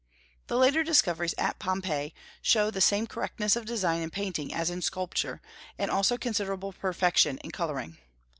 The later discoveries at Pompeii show the same correctness of design in painting as in sculpture, and also considerable perfection in coloring.